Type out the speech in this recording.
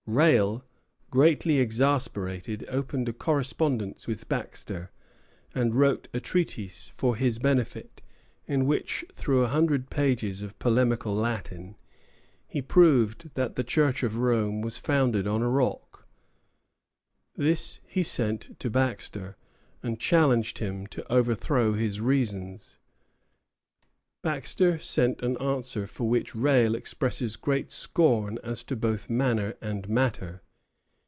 Rale, greatly exasperated, opened a correspondence with Baxter, and wrote a treatise for his benefit, in which, through a hundred pages of polemical Latin, he proved that the Church of Rome was founded on a rock. This he sent to Baxter, and challenged him to overthrow his reasons. Baxter sent an answer for which Rale expresses great scorn as to both manner and matter.